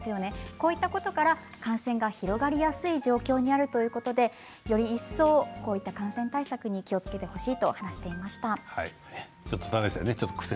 こういったことから感染が広がりやすい状況にあるということで、より一層感染対策に気をつけてほしいと話していました。